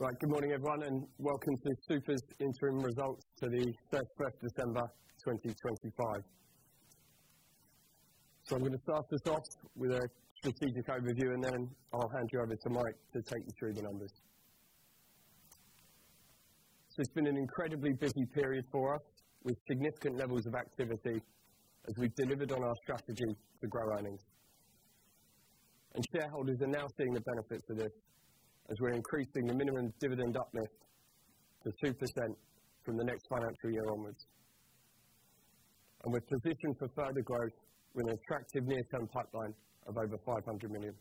Right. Good morning, everyone, and welcome to Super's Interim Results to the First December 2025. I'm gonna start this off with a strategic overview, and then I'll hand you over to Mike to take you through the numbers. It's been an incredibly busy period for us, with significant levels of activity as we've delivered on our strategy to grow earnings. Shareholders are now seeing the benefits of this as we're increasing the minimum dividend uplift to 2% from the next financial year onwards. We're positioned for further growth with an attractive near-term pipeline of over 500 million.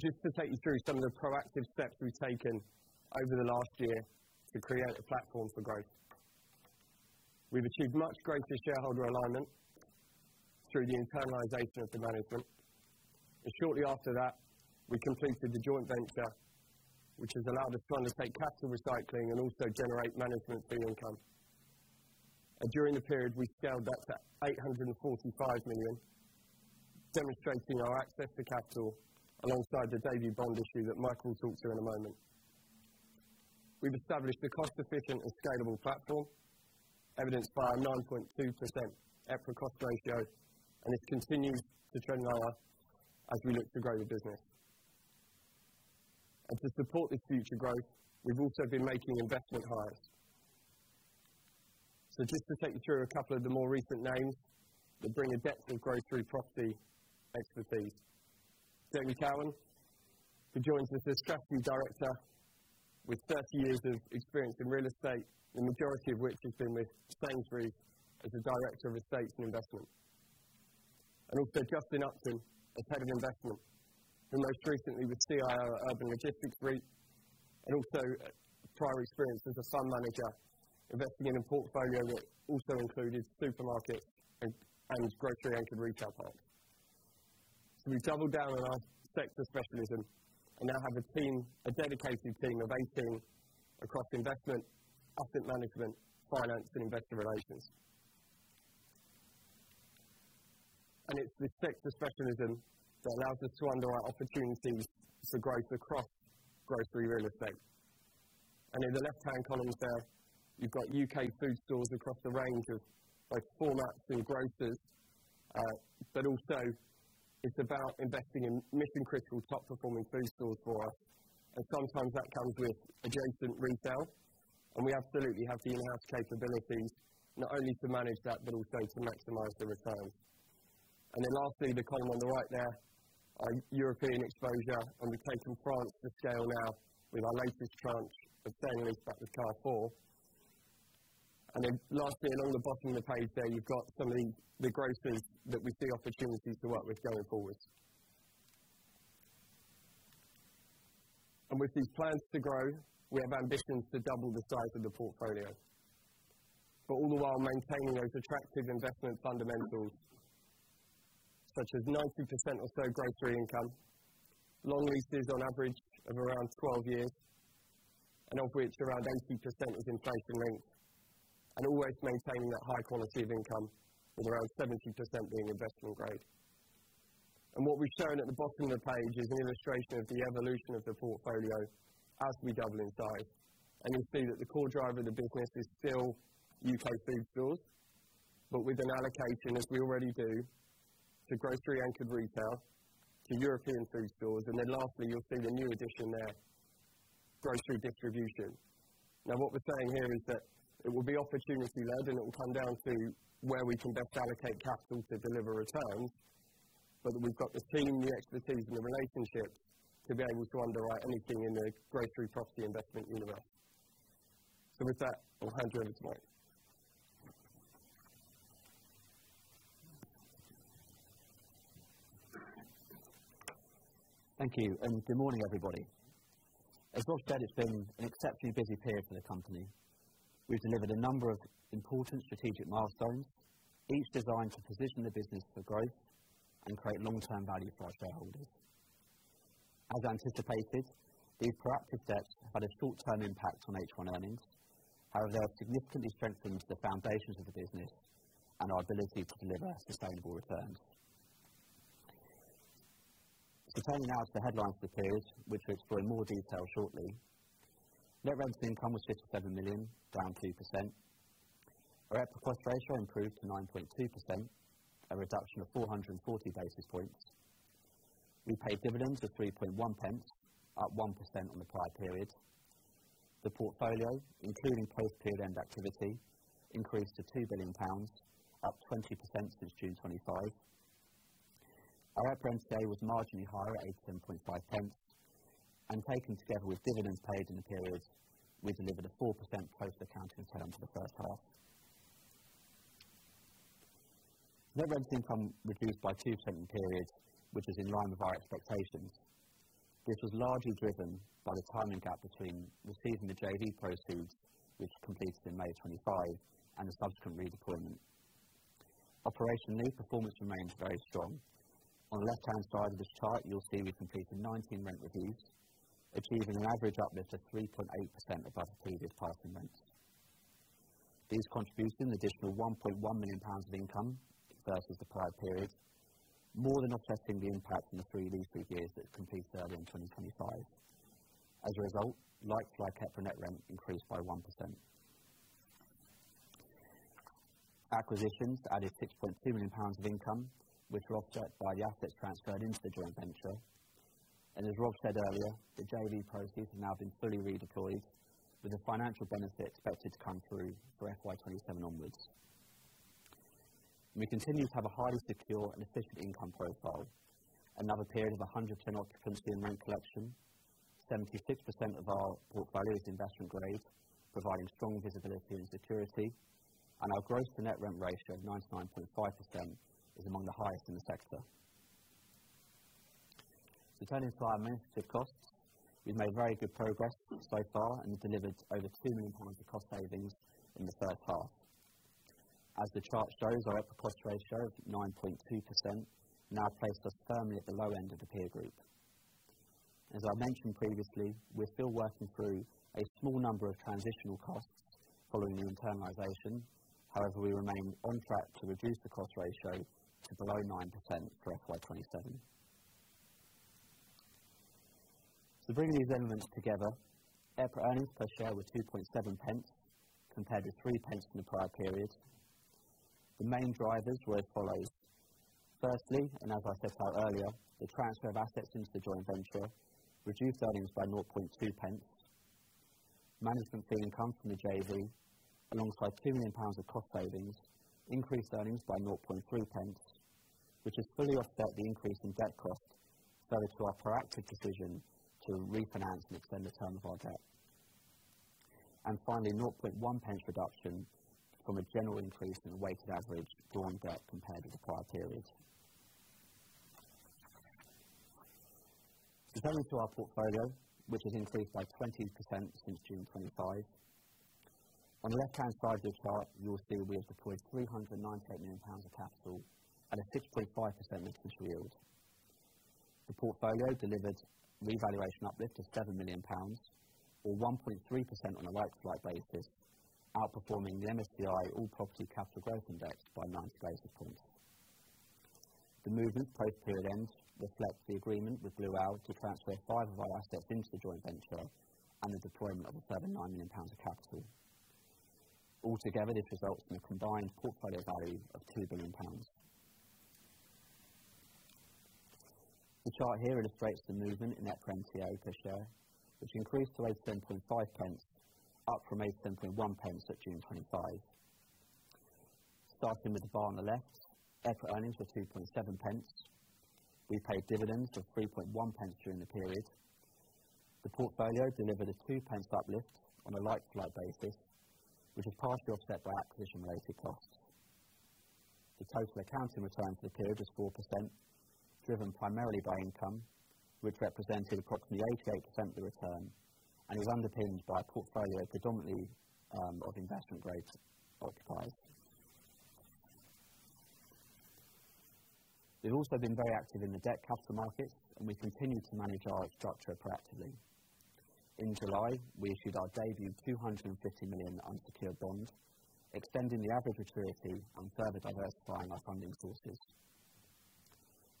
Just to take you through some of the proactive steps we've taken over the last year to create a platform for growth. We've achieved much greater shareholder alignment through the internalization of the management. Shortly after that, we completed the joint venture, which has allowed us to undertake capital recycling and also generate management fee income. During the period, we scaled up to 845 million, demonstrating our access to capital alongside the debut bond issue that Mike will talk through in a moment. We've established a cost-efficient and scalable platform, evidenced by our 9.2% EPRA cost ratio, and it's continuing to trend lower as we look to grow the business. To support this future growth, we've also been making investment hires. Just to take you through a couple of the more recent names that bring a depth of grocery property expertise. Jamie Cowen, who joins us as Trustee Director with 30 years of experience in real estate, the majority of which has been with Sainsbury's as a Director of Estates and Investment. Also Justin Upton, the head of investment, who most recently was CIO at Urban Logistics REIT, and also prior experience as a fund manager, investing in a portfolio that also included supermarkets and grocery-anchored retail parks. We've doubled down on our sector specialism and now have a team, a dedicated team of 18 across investment, asset management, finance, and investor relations. It's this sector specialism that allows us to underwrite opportunities for growth across grocery real estate. In the left-hand column there, you've got UK food stores across a range of both formats and grocers, but also it's about investing in mission-critical, top-performing food stores for us, and sometimes that comes with adjacent retail. We absolutely have the in-house capability not only to manage that, but also to maximize the return. Lastly, the column on the right there, our European exposure, and we've taken from France to scale now with our latest tranche of sale and leasebacks to Carrefour. Lastly, along the bottom of the page there, you've got some of the grocers that we see opportunities to work with going forward. With these plans to grow, we have ambitions to double the size of the portfolio, but all the while maintaining those attractive investment fundamentals, such as 90% or so grocery income, long leases on average of around 12 years, and of which around 80% is inflation-linked, and always maintaining that high quality of income, with around 70% being investment grade. What we've shown at the bottom of the page is an illustration of the evolution of the portfolio as we double in size. You'll see that the core driver of the business is still UK food stores, but with an allocation, as we already do, to grocery-anchored retail to European food stores. Lastly, you'll see the new addition there, grocery distribution. Now, what we're saying here is that it will be opportunity-led, and it will come down to where we can best allocate capital to deliver returns, but that we've got the team, the expertise, and the relationships to be able to underwrite anything in the grocery property investment universe. With that, I'll hand you over to Mike. Thank you, and good morning, everybody. As Rob said, it's been an exceptionally busy period for the company. We've delivered a number of important strategic milestones, each designed to position the business for growth and create long-term value for our shareholders. As anticipated, these proactive steps had a short-term impact on H1 earnings. However, they have significantly strengthened the foundations of the business and our ability to deliver sustainable returns. Returning now to the headlines for the period, which we'll explore in more detail shortly. Net rental income was 57 million, down 2%. Our EPRA cost ratio improved to 9.2%, a reduction of 440 basis points. We paid dividends of 0.031, up 1% on the prior period. The portfolio, including post-period end activity, increased to 2 billion pounds, up 20% since June 2025. Our EPRA net present value was marginally higher at 87.5 pence. Taken together with dividends paid in the period, we delivered a 4% total-account return for the first half. Net rent income reduced by 2% period, which is in line with our expectations. This was largely driven by the timing gap between receiving the JV proceeds, which completed in May 2025, and the subsequent redeployment. Operationally, performance remains very strong. On the left-hand side of this chart, you'll see we completed 19 rent reviews, achieving an average uplift of 3.8% above the previous payment rents. These contributed an additional 1.1 million pounds of income versus the prior period, more than offsetting the impact from the three lease break years that complete early in 2025. As a result, like-for-like net rent increased by 1%. Acquisitions added 6.2 million pounds of income, which was offset by the assets transferred into the joint venture. As Rob said earlier, the JV proceeds have now been fully redeployed with the financial benefit expected to come through for FY 2027 onwards. We continue to have a highly secure and efficient income profile. Another period of 100% occupancy and rent collection. 76% of our portfolio is investment grade, providing strong visibility and security, and our gross to net rent ratio of 99.5% is among the highest in the sector. Turning to our administrative costs. We've made very good progress so far and delivered over 2 million pounds of cost savings in the first half. As the chart shows, our EPRA cost ratio of 9.2% now places us firmly at the low end of the peer group. As I mentioned previously, we're still working through a small number of transitional costs following the internalization. However, we remain on track to reduce the cost ratio to below 9% for FY 2027. Bringing these elements together, EPRA earnings per share were 2.7 pence compared to 3 pence in the prior period. The main drivers were as follows. Firstly, and as I set out earlier, the transfer of assets into the joint venture reduced earnings by 0.2 pence. Management fee income from the JV, alongside 2 million pounds of cost savings, increased earnings by 0.3 pence, which has fully offset the increase in debt costs that is due to our proactive decision to refinance and extend the term of our debt. Finally, 0.1 pence reduction from a general increase in the weighted average drawn debt compared to the prior period. Returning to our portfolio, which has increased by 20% since June 25. On the left-hand side of this chart, you will see we have deployed 398 million pounds of capital at a 6.5% net initial yield. The portfolio delivered revaluation uplift of 7 million pounds or 1.3% on a like-for-like basis, outperforming the MSCI All Property Capital Growth Index by 90 basis points. The movement post period end reflects the agreement with Blue Owl to transfer five of our assets into the joint venture and the deployment of a further 9 million pounds of capital. Altogether, this results in a combined portfolio value of 2 billion pounds. The chart here illustrates the movement in EPRA NTA per share, which increased to 0.875, up from 0.871 at June 25. Starting with the bar on the left, EPRA earnings were 2.7 pence. We paid dividends of 3.1 pence during the period. The portfolio delivered a 2 pence uplift on a like-for-like basis, which was partially offset by acquisition-related costs. The total accounting return for the period was 4%, driven primarily by income, which represented approximately 88% of the return and is underpinned by a portfolio predominantly of investment grade occupiers. We've also been very active in the debt capital markets, and we continue to manage our structure proactively. In July, we issued our debut 250 million unsecured bonds, extending the average maturity and further diversifying our funding sources.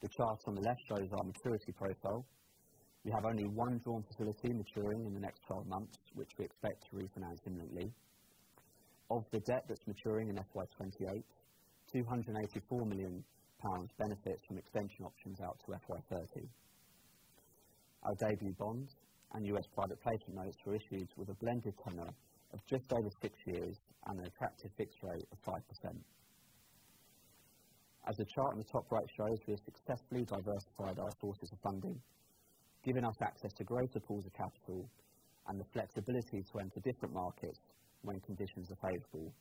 The chart on the left shows our maturity profile. We have only one drawn facility maturing in the next 12 months, which we expect to refinance immediately. Of the debt that's maturing in FY 2028, 284 million pounds benefits from extension options out to FY 2030. Our debut bonds and U.S. Private Placement notes were issued with a blended tenor of just over six years and an attractive fixed rate of 5%. As the chart on the top right shows, we have successfully diversified our sources of funding, giving us access to greater pools of capital and the flexibility to enter different markets when conditions are favorable,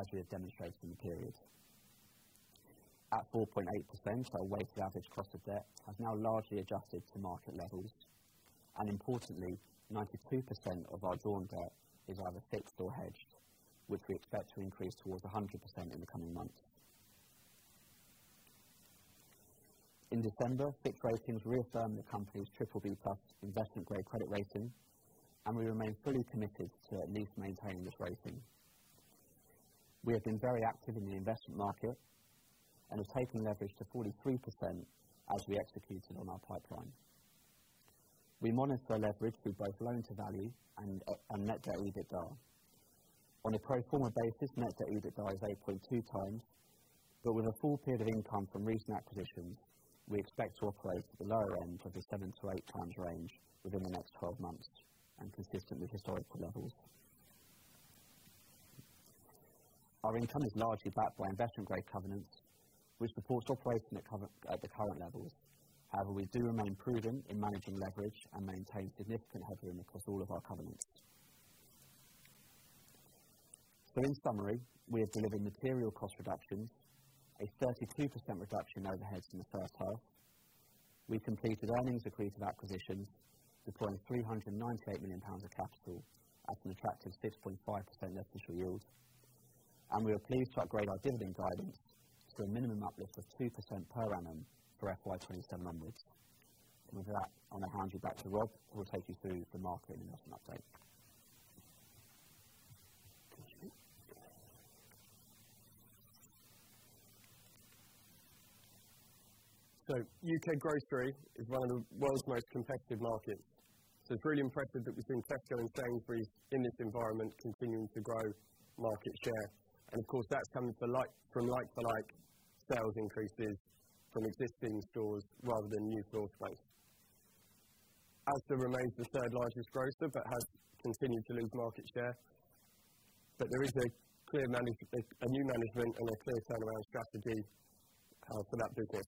as we have demonstrated in the period. At 4.8%, our weighted average cost of debt has now largely adjusted to market levels. Importantly, 92% of our drawn debt is either fixed or hedged, which we expect to increase towards 100% in the coming months. In December, Fitch Ratings reaffirmed the company's BBB+ investment-grade credit rating, and we remain fully committed to at least maintaining this rating. We have been very active in the investment market and have taken leverage to 43% as we executed on our pipeline. We monitor our leverage through both Loan to Value and net debt to EBITDA. On a pro forma basis, net debt to EBITDA is 8.2x. With a full period of income from recent acquisitions, we expect to operate at the lower end of the 7x to 8x range within the next 12 months and consistent with historical levels. Our income is largely backed by investment-grade covenants, which supports operation at the current levels. However, we do remain prudent in managing leverage and maintain significant headroom across all of our covenants. In summary, we are delivering material cost reductions, a 32% reduction in overheads in the first half. We completed earnings accretive acquisitions, deploying 398 million pounds of capital at an attractive 6.5% net initial yield. We are pleased to upgrade our dividend guidance to a minimum uplift of 2% per annum for FY 2027 onwards. With that, I'm going to hand you back to Rob who will take you through the market and investment update. Thank you. UK grocery is one of the world's most competitive markets. It's really impressive that we've seen Tesco and Sainsbury's in this environment continuing to grow market share. Of course, that comes from like to like sales increases from existing stores rather than new store space. Asda remains the third largest grocer, but has continued to lose market share. There is a clear new management and a clear turnaround strategy for that business.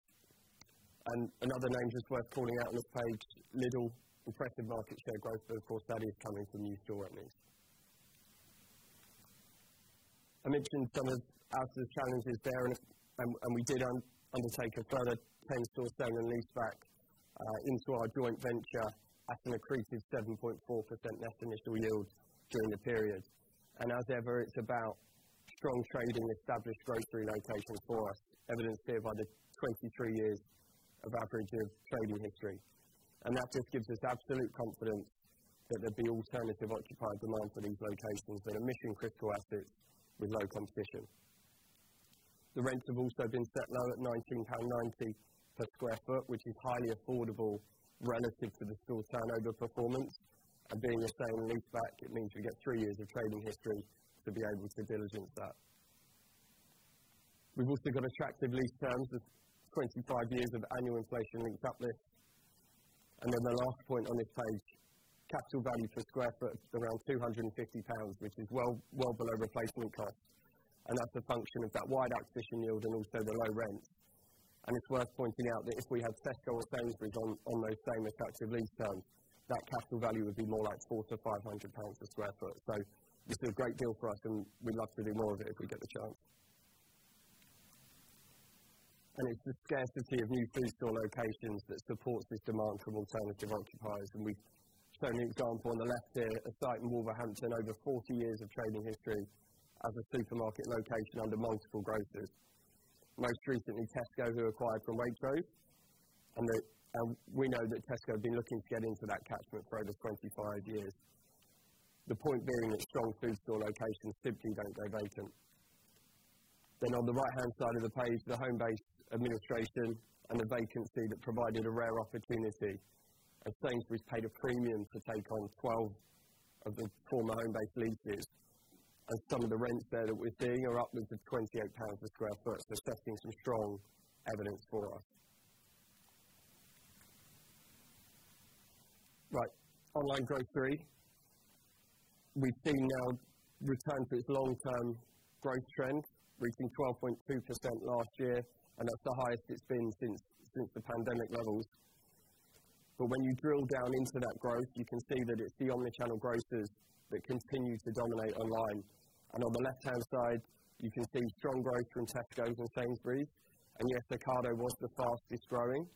Another name just worth calling out on the page, Lidl, impressive market share growth, but of course, that is coming from new store openings. I mentioned some of Asda's challenges there and we did undertake a further 10-store sale and leaseback into our joint venture at an accretive 7.4% net initial yield during the period. As ever, it's about strong trading established grocery locations for us, evidenced here by the 23 years of average trading history. That just gives us absolute confidence that there'd be alternative occupied demand for these locations and a mission-critical asset with low competition. The rents have also been set low at 19.90 pound per square ft, which is highly affordable relative to the store turnover performance. Being a sale and leaseback, it means we get three years of trading history to be able to diligence that. We've also got attractive lease terms of 25 years of annual inflation linked uplifts. Then the last point on this page, capital value per square ft is around 250 pounds, which is well, well below replacement cost. That's a function of that wide acquisition yield and also the low rents. It's worth pointing out that if we had Tesco or Sainsbury's on those same attractive lease terms, that capital value would be more like 400 to 500 pounds per square ft. This is a great deal for us, and we'd love to do more of it if we get the chance. It's the scarcity of new food store locations that supports this demand from alternative occupiers. We've shown you an example on the left here, a site in Wolverhampton, over 40 years of trading history as a supermarket location under multiple grocers. Most recently Tesco, who acquired from Waitrose. We know that Tesco have been looking to get into that catchment for over 25 years. The point being that strong food store locations simply don't go vacant. On the right-hand side of the page, the Homebase administration and a vacancy that provided a rare opportunity. Sainsbury's paid a premium to take on 12 of the former Homebase leases. Some of the rents there that we're seeing are upwards of 28 pounds per square ft. That's been some strong evidence for us. Right. Online grocery. We've seen now a return to its long-term growth trend, reaching 12.2% last year, and that's the highest it's been since the pandemic levels. When you drill down into that growth, you can see that it's the omnichannel grocers that continue to dominate online. On the left-hand side, you can see strong growth from Tesco and Sainsbury's. Yes, Ocado was the fastest growing.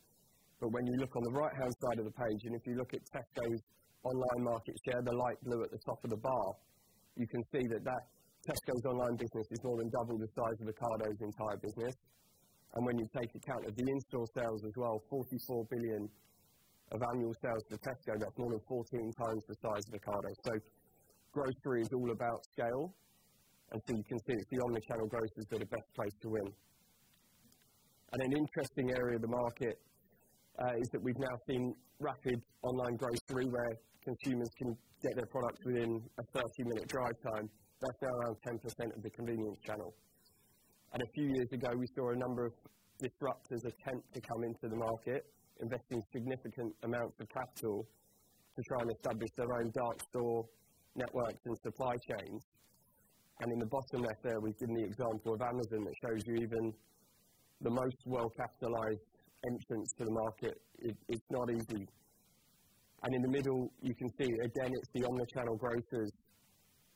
When you look on the right-hand side of the page, and if you look at Tesco's online market share, the light blue at the top of the bar, you can see that that Tesco's online business is more than double the size of Ocado's entire business. When you take account of the in-store sales as well, 44 billion of annual sales for Tesco, that's more than 14x the size of Ocado. Grocery is all about scale. You can see it's the omnichannel grocers that are best placed to win. An interesting area of the market is that we've now seen rapid online grocery where consumers can get their products within a 30-minute drive time. That's now around 10% of the convenience channel. A few years ago, we saw a number of disruptors attempt to come into the market, investing significant amounts of capital to try and establish their own dark store networks and supply chains. In the bottom left there, we've given the example of Amazon that shows you even the most well-capitalized entrants to the market, it's not easy. In the middle, you can see again, it's the omnichannel grocers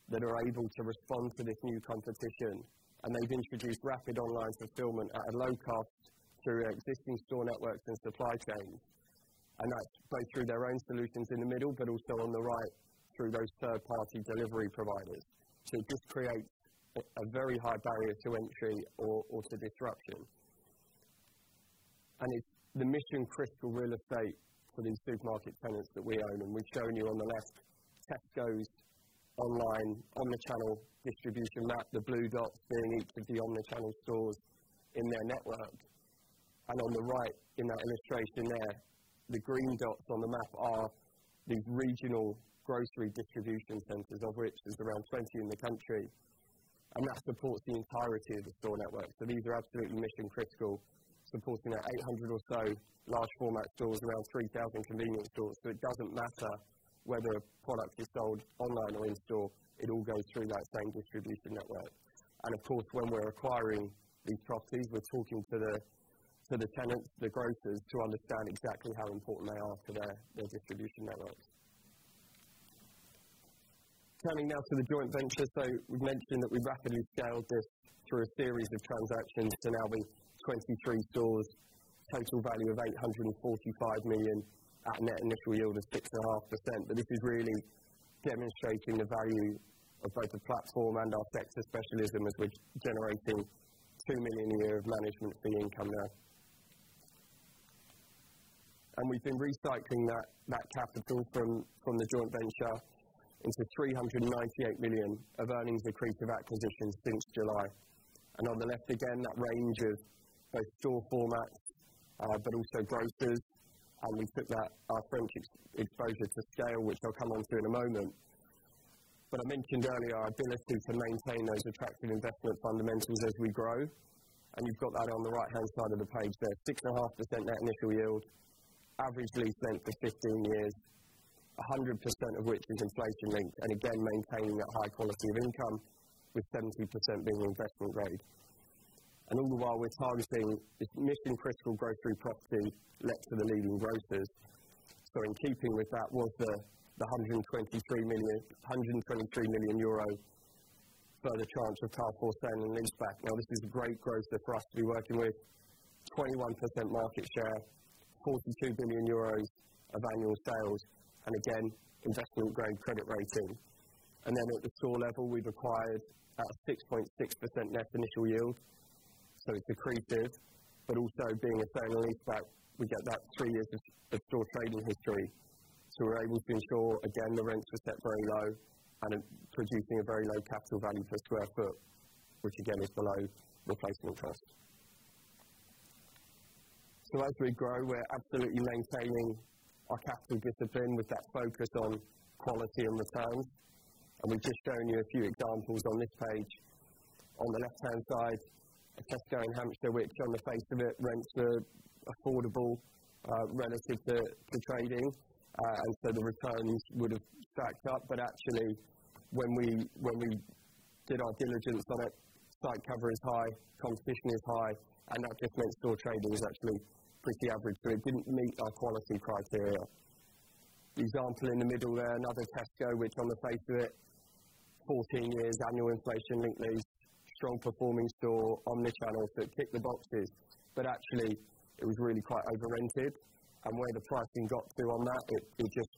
that are able to respond to this new competition. They've introduced rapid online fulfillment at a low cost through existing store networks and supply chains. That's both through their own solutions in the middle, but also on the right through those third-party delivery providers. It just creates a very high barrier to entry or to disruption. It's the mission-critical real estate within supermarket tenants that we own. We've shown you on the left, Tesco's online omnichannel distribution map, the blue dots being each of the omnichannel stores in their network. On the right in that illustration there, the green dots on the map are the regional grocery distribution centers, of which there's around 20 in the country. That supports the entirety of the store network. These are absolutely mission critical, supporting their 800 or so large format stores, around 3,000 convenience stores. It doesn't matter whether a product is sold online or in store, it all goes through that same distribution network. Of course, when we're acquiring these properties, we're talking to the tenants, the grocers, to understand exactly how important they are for their distribution networks. Coming now to the joint venture. We've mentioned that we rapidly scaled this through a series of transactions to now being 23 stores, total value of 845 million at net initial yield of 6.5%. This is really demonstrating the value of both the platform and our sector specialism as we're generating 2 million a year of management fee income there. We've been recycling that capital from the joint venture into 398 million of earnings accretive acquisitions since July. On the left, again, that range of both store formats, but also grocers. We put that, our French exposure to scale, which I'll come on to in a moment. I mentioned earlier our ability to maintain those attractive investment fundamentals as we grow. You've got that on the right-hand side of the page there. 6.5% net initial yield. Average lease length of 15 years, 100% of which is inflation linked, and again, maintaining that high quality of income with 70% being investment grade. All the while we're targeting this mission critical grocery properties let to the leading grocers. In keeping with that was the 123 million French acquisition with Carrefour sale and leaseback. Now this is a great grocer for us to be working with. 21% market share, 42 billion euros of annual sales, and again, investment grade credit rating. At the store level, we've acquired at a 6.6% net initial yield, so it's accretive. Also being a sale and leaseback, we get that three years of store trading history. We're able to ensure, again, the rents were set very low and it's producing a very low capital value per square ft, which again, is below replacement cost. As we grow, we're absolutely maintaining our capital discipline with that focus on quality and return. We've just shown you a few examples on this page. On the left-hand side, a Tesco in Hampshire, which on the face of it, rents are affordable, relative to trading. The returns would have stacked up, but actually when we did our diligence on it, site cover is high, competition is high, and that just meant store trade was actually pretty average, so it didn't meet our quality criteria. The example in the middle there, another Tesco, which on the face of it, 14 years annual inflation linked lease, strong performing store, omnichannel, so it ticked the boxes, but actually it was really quite over-rented. Where the pricing got to on that, it just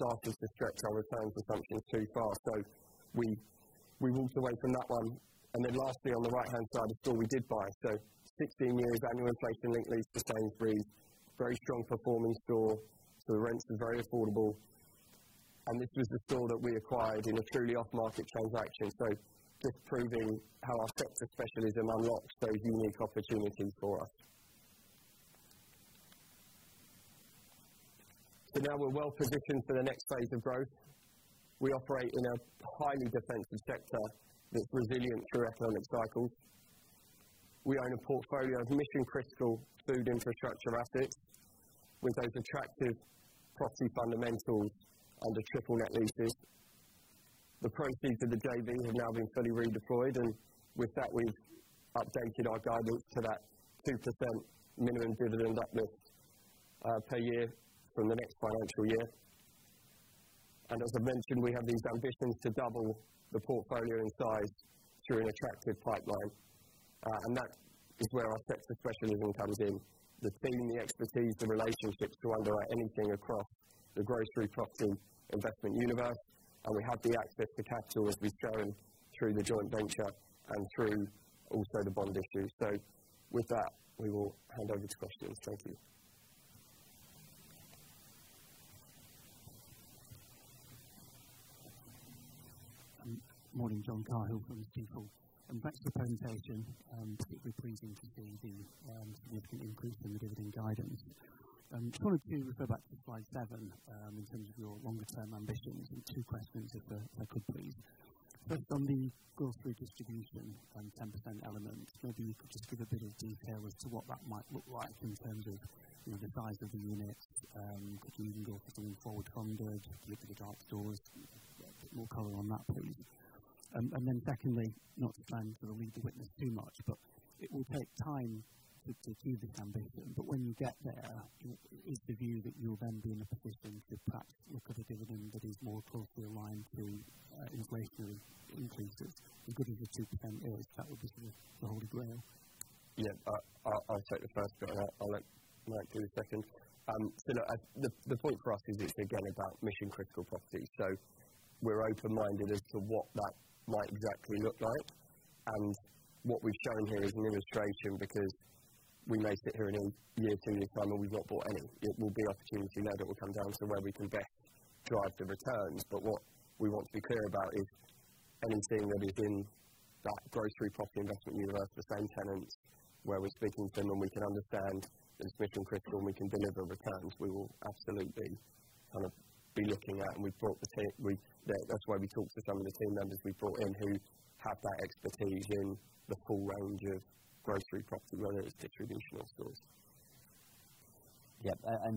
started to stretch our returns assumption too far. We walked away from that one. Lastly, on the right-hand side, a store we did buy. 16 years annual inflation linked lease to Sainsbury's. Very strong performing store. The rents are very affordable. This was the store that we acquired in a truly off-market transaction. Just proving how our sector specialism unlocks those unique opportunities for us. Now we're well positioned for the next phase of growth. We operate in a highly defensive sector that's resilient through economic cycles. We own a portfolio of mission critical food infrastructure assets with those attractive property fundamentals and triple net leases. The proceeds of the JV have now been fully redeployed, and with that, we've updated our guidance to that 2% minimum dividend uplift per year from the next financial year. As I mentioned, we have these ambitions to double the portfolio in size through an attractive pipeline. That is where our sector specialism comes in. The team, the expertise, the relationships to underwrite anything across the grocery property investment universe. We have the access to capital, as we've shown, through the joint venture and through also the bond issue. With that, we will hand over to questions. Thank you. Morning, John Cahill from Stifel. Complex presentation, particularly pleasing to see the significant increase in the dividend guidance. Just wanted to refer back to slide seven, in terms of your longer-term ambitions. Two questions, if I could please. Based on the grocery distribution and 10% element, maybe you could just give a bit of detail as to what that might look like in terms of, you know, the size of the unit, if you even go for something forward funded, if you look at the dark stores, a bit more color on that, please. And then secondly, not to plan for the week to witness too much, but it will take time to achieve the ambition. When you get there, is the view that you'll then be in a position to perhaps look at a dividend that is more closely aligned to inflation increases in good years of 2%, or is that what is more the holy grail? Yeah. I'll take the first, John, and I'll let Mike do the second. No, the point for us is, it's again about mission critical properties. We're open-minded as to what that might exactly look like. What we've shown here is an illustration because we may sit here in a year, two year time and we've not bought any. It will be opportunity led. It will come down to where we can best drive the returns. What we want to be clear about is anything that is in that grocery property investment universe, the same tenants where we're speaking to them and we can understand there's mission critical and we can deliver returns, we will absolutely kind of be looking at. We've brought the team. That's why we talked to some of the team members we brought in who have that expertise in the whole range of grocery property, whether it's distribution or stores.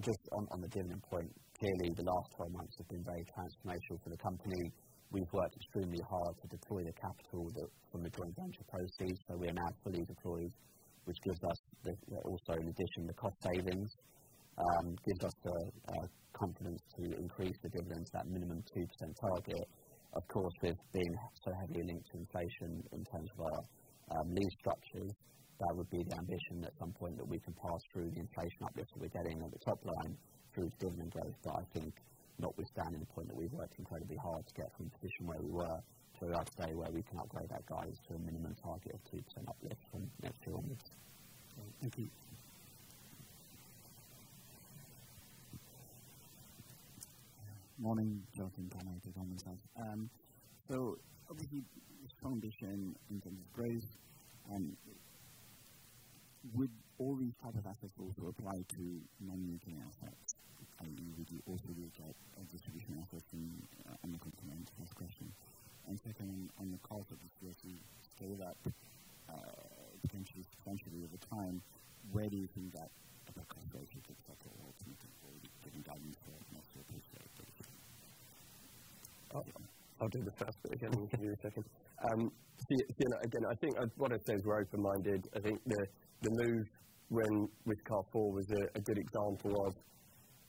Just on the dividend point. Clearly the last 12 months have been very transformational for the company. We've worked extremely hard to deploy the capital that from the joint venture proceeds, so we are now fully deployed, which gives us also, in addition, the cost savings, gives us the confidence to increase the dividends, that minimum 2% target. Of course, with being so heavily linked to inflation in terms of our lease structures, that would be the ambition at some point that we can pass through the inflation uplift that we're getting on the top line through dividend growth. I think notwithstanding the point that we've worked incredibly hard to get from the position where we were to where I'd say, where we can upgrade our guidance to a minimum target of 2% uplift from next year onwards. Thank you. Morning. Jonathan Barnett from Goldman Sachs. Obviously strong vision in general trades, would all these types of assets also apply to non UK assets? I mean, would you also look at distribution assets in the consumer interest question? Second, on your call for disclosure, scale up, potentially over time, where do you think that type of conversation takes place or who controls it within government or multiple stakeholders? I'll do the first bit, Mike. Can you do the second? You know, again, I think what I'd say is we're open-minded. I think the move with Carrefour was a good example of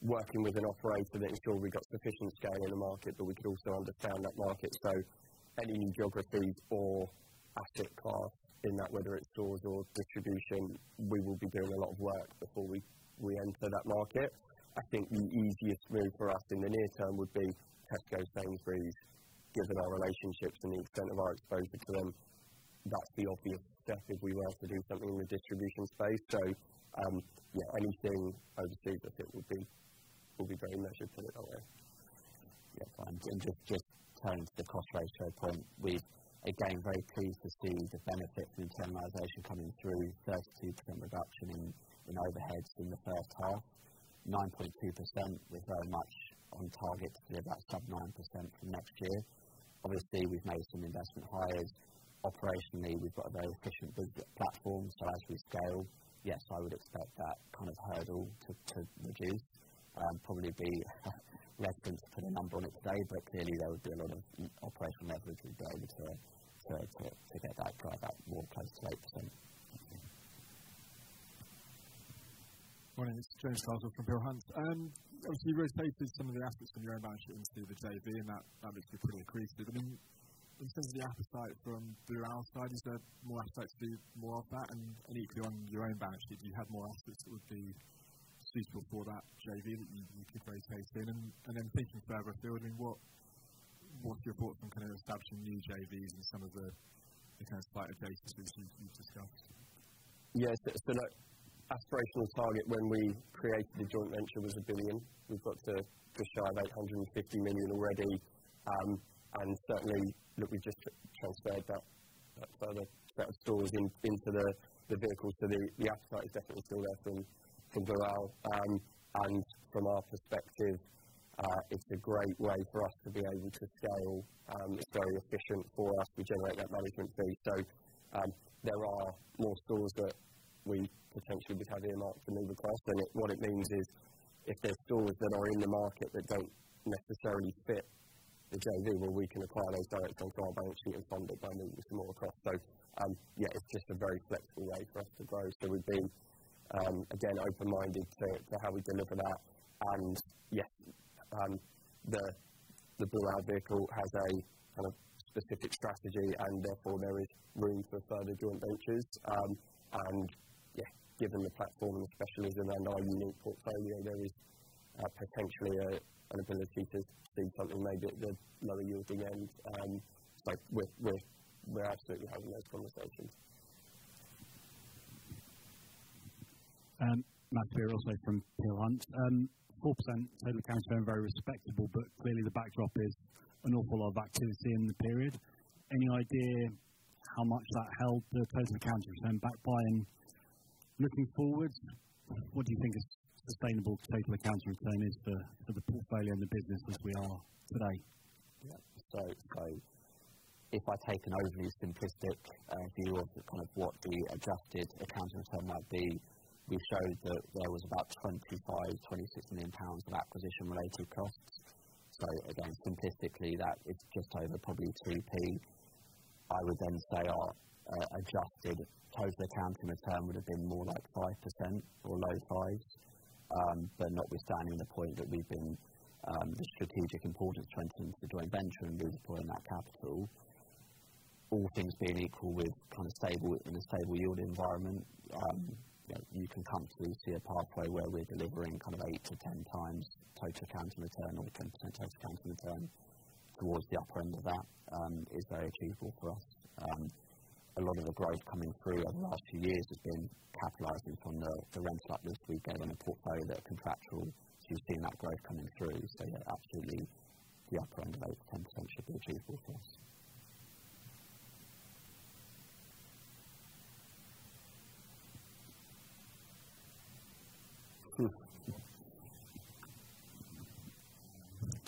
working with an operator that ensured we got sufficient scale in the market, but we could also understand that market. Any geography or asset class in that, whether it's stores or distribution, we will be doing a lot of work before we enter that market. I think the easiest move for us in the near term would be Tesco, Sainsbury's, given our relationships and the extent of our exposure to them. That's the obvious step if we were to do something in the distribution space. Anything over and above it will be very measured to it always. Yeah, fine. Just turning to the cost ratio point. We've again very pleased to see the benefit from centralization coming through 32% reduction in overheads in the first half. 9.2%, we're very much on target to be about sub 9% for next year. Obviously, we've made some investment hires. Operationally, we've got a very efficient book platform. As we scale, yes, I would expect that kind of hurdle to reduce. Probably be reckless to put a number on it today, but clearly there would be a lot of operational levers we could pull to get that, drive that more close to 8%. Morning. It's James Carswell from Peel Hunt. Obviously you rotated some of the assets from your own balance sheet into the JV, and that makes it pretty accretive. I mean, in terms of the appetite from Blue Owl side, is there more assets to do more of that? And equally on your own balance sheet, do you have more assets that would be suitable for that JV that you could rotate in? Then thinking further afield, I mean, what's your thought on kind of establishing new JVs in some of the kind of site bases which you've discussed? Yes. Look, aspirational target when we created the joint venture was 1 billion. We've got to just shy of 850 million already. Certainly, look, we just transferred that further set of stores into the vehicle. The appetite is definitely still there from Blue Owl. From our perspective, it's a great way for us to be able to scale. It's very efficient for us to generate that management fee. There are more stores that we potentially would have earmarked for new cost. What it means is if there are stores that are in the market that don't necessarily fit the JV, well, we can acquire those direct on our balance sheet and bundle them in with some more across both. Yeah, it's just a very flexible way for us to grow. We've been again open-minded to how we deliver that. And yes, the Blue Owl vehicle has a kind of specific strategy and therefore there is room for further joint ventures. Given the platform and the specialism and our unique portfolio, there is potentially an ability to do something maybe at the lower yielding end. We're absolutely having those conversations. Matthew Saperia also from Peel Hunt. 4% total returns have been very respectable, but clearly the backdrop is an awful lot of activity in the period. Any idea how much that held the total returns back buying? Looking forward, what do you think a sustainable total return is for the portfolio and the business as we are today? Yeah. If I take an overly simplistic view of what the adjusted accounting term might be, we showed that there was about 25 million pounds to 26 million pounds of acquisition-related costs. Again, simplistically that's just over probably 2p. I would then say our adjusted total accounting return would have been more like 5% or low 5%. Notwithstanding the point that we've made, the strategic importance of entering into the joint venture and deploying that capital. All things being equal in a stable yield environment, you know, you can comfortably see a payoff where we're delivering kind of 8x to 10x total accounting return or 20% total accounting return towards the upper end of that is very achievable for us. A lot of the growth coming through over the last few years has been capitalizing from the rents like this we get in a portfolio that are contractual. You've seen that growth coming through. Yeah, absolutely the upper end of those 10% should be achievable for us.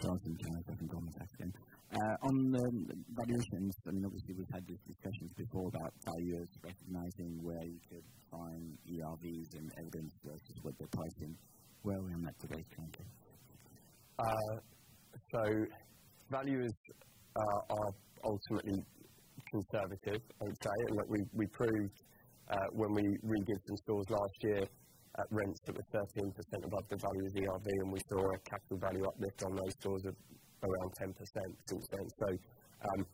Jonathan from Goldman Sachs again. On valuations, I mean, obviously we've had these discussions before about are you recognizing where you could find ERVs and evidence versus what they're pricing? Where are we on that debate today? Valuers are ultimately conservative, I'd say. Look, we proved when we re-geared some stores last year at rents that were 13% above ERV, and we saw a capital value uplift on those stores of around 10% to 15%.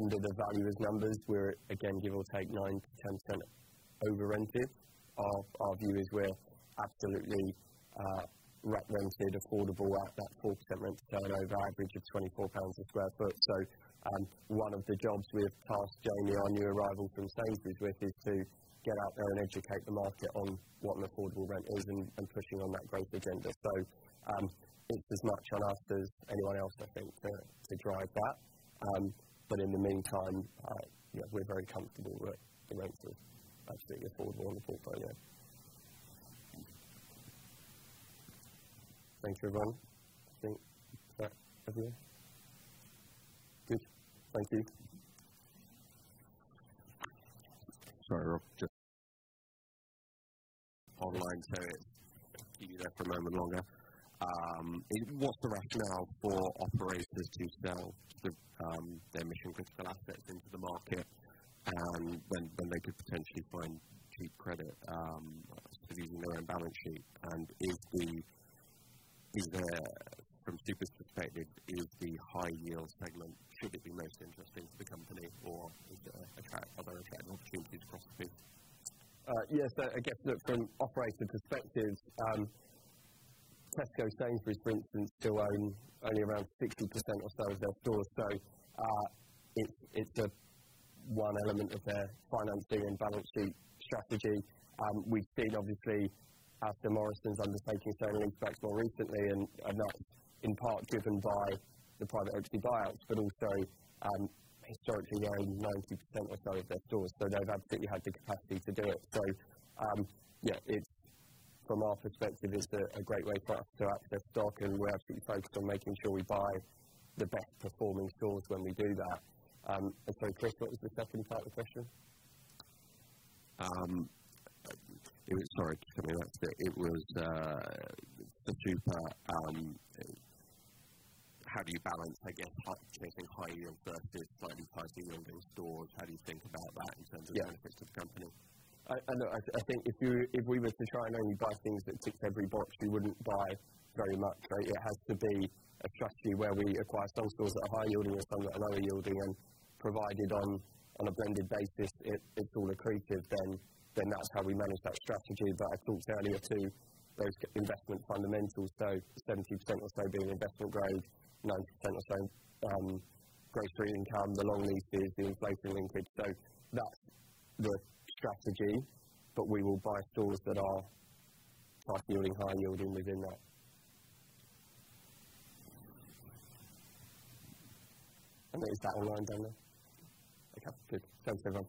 under the valuers' numbers. We're again, give or take 9% to 10% over-rented. Our view is we're absolutely affordable at that 4% rent to turnover average of 24 pounds of square ft. One of the jobs we've tasked Jamie, our new arrival from Sainsbury's, with is to get out there and educate the market on what an affordable rent is and pushing on that growth agenda. It's as much on us as anyone else, I think, to drive that. In the meantime, you know, we're very comfortable that the rents are absolutely affordable in the portfolio. Thank you, everyone. I think that's everything. Good. Thank you. Sorry, Rob, just online, so it'll keep you there for a moment longer. What's the rationale for operators to sell their mission-critical assets into the market, when they could potentially find cheap credit using their own balance sheet? From Super's perspective, should the high-yield segment be most interesting to the company or is it attractive other opportunities across the yield? Yes. I guess from operator perspective, Tesco, Sainsbury's, for instance, still own only around 60% or so of their stores. It's the one element of their financing and balance sheet strategy. We've seen obviously Asda, Morrisons undertaking certain sales more recently, and that's in part driven by the private equity buyouts, but also historically owning 90% or so of their stores. They've absolutely had the capacity to do it. Yeah, it's a great way for us to access stock and we're absolutely focused on making sure we buy the best performing stores when we do that. Chris, what was the second part of the question? Sorry to come last minute. It was for Super, how do you balance, I guess, high yields versus slightly higher yielding stores? How do you think about that in terms of Yeah. Benefits to the company? I look, I think if you, if we were to try and only buy things that tick every box, we wouldn't buy very much. It has to be a strategy where we acquire some stores that are higher yielding and some that are lower yielding, and provided on a blended basis, it's all accretive then, that's how we manage that strategy. I talked earlier to those investment fundamentals so 70% or so being investment grade, 9% or so grocery income, the long leases, the inflation linkage. That's the strategy. We will buy stores that are high yielding within that. Is that online, Daniel? Okay. Good. Thanks everyone.